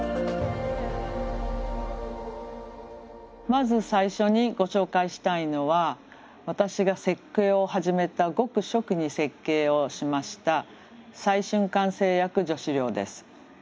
まず最初にご紹介したいのは私が設計を始めたごく初期に設計をしました再春館製薬女子寮です。